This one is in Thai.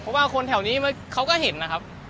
เพราะว่าคนแถวนี้เค้าก็เห็นน่ะ